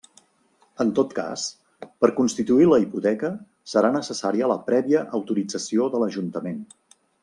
En tot cas, per constituir la hipoteca serà necessària la prèvia autorització de l'Ajuntament.